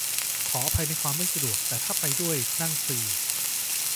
ขออภัยในความไม่สะดวก แต่ถ้าไปด้วยนั่งฟรี